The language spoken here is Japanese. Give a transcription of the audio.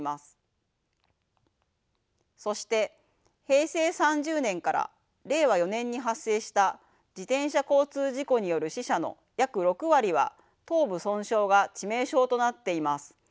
そして平成３０年から令和４年に発生した自転車交通事故による死者の約６割は頭部損傷が致命傷となっています。